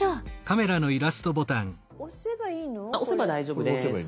押せば大丈夫です。